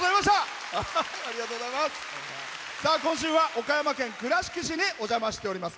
今週は岡山県倉敷市にお邪魔しております。